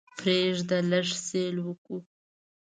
پریږده لږ سیل وکړو.